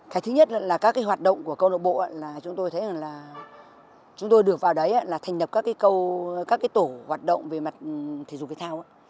cái thứ nhất là các hoạt động của câu lạc bộ là chúng tôi thấy là chúng tôi được vào đấy là thành đập các tổ hoạt động về mặt thể dục thể thao